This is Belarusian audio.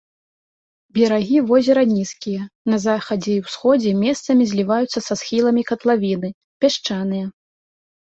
Берагі возера нізкія, на захадзе і ўсходзе месцамі зліваюцца са схіламі катлавіны, пясчаныя.